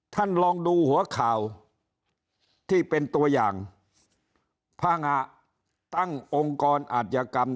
ท่านลองดูหัวข่าวที่เป็นตัวอย่างภางะตั้งองค์กรอาธิกรรม